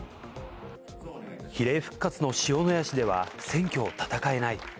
比例復活の塩谷氏では選挙を戦えない。